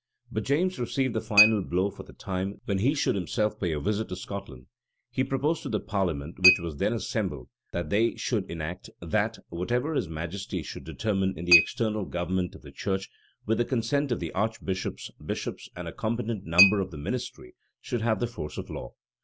But James reserved the final blow for the time when he should himself pay a visit to Scotland. He proposed to the parliament, which was then assembled, that they should enact, that "whatever his majesty should determine in the external government of the church, with the consent of the archbishops, bishops, and a competent number of the ministry, should have the force of law."